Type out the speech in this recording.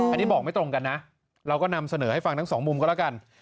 อันนี้บอกไม่ตรงกันนะเราก็นำเสนอให้ฟังทั้งสองมุมก็แล้วกัน